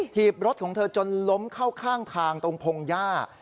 ถีบรถของเธอจนล้มเข้าข้างทางตรงพงหญ้า